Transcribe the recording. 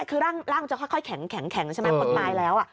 คือร่างจะค่อยแข็งใช่ไหมเปิดไม้แล้ว